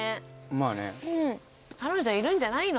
まあね彼女いるんじゃないの？